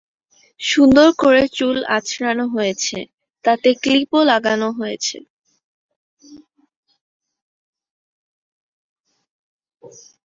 সুন্দর করে চুল আঁচড়ানো হয়েছে; তাতে ক্লিপও লাগানো হয়েছে।